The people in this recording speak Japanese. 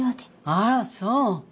あらそう。